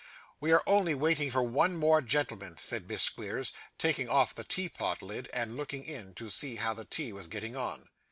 'We are only waiting for one more gentleman,' said Miss Squeers, taking off the teapot lid, and looking in, to see how the tea was getting on.